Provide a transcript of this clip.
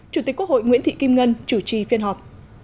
chủ tịch quốc hội nguyễn thị kim ngân chủ trì phiên họp